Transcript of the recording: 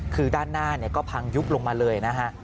คือด้านหน้าก็พังยุบลงมาเลยนะฮะ